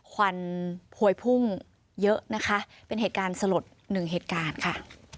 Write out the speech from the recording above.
ควันพวยพุ่งเยอะนะคะเป็นเหตุการณ์สลดหนึ่งเหตุการณ์ค่ะ